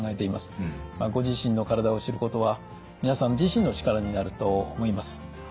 ご自身の体を知ることは皆さん自身の力になると思います。